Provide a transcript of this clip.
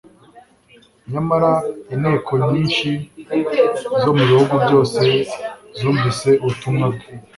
nyamara inteko nyinshi zo mu bihugu byose zumvise ubutumwa bwe.